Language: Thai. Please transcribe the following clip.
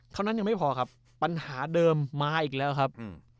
เท่านั้นยังไม่พอครับปัญหาเดิมมาอีกแล้วครับ